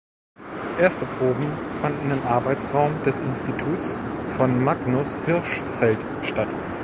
Erste Proben fanden im Arbeitsraum des Institutes von Magnus Hirschfeld statt.